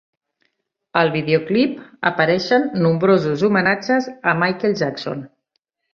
Al videoclip apareixen nombrosos homenatges a Michael Jackson.